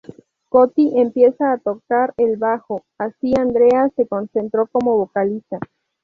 Coti empieza a tocar el bajo, así Andrea se concentró como vocalista.